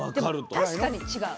でも確かに違う。